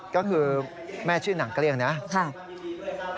ก็คือแม่ชื่อนางเกลี้ยงนะฮะค่ะ